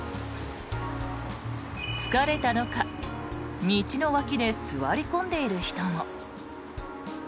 疲れたのか道の脇で座り込んでいる人も。